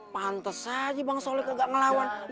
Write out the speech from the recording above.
pantes aja bang saleh gak ngelawan